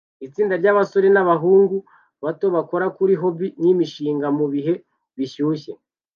itsinda ryabasore nabahungu bato bakora kuri hobby nkimishinga mubihe bishyushye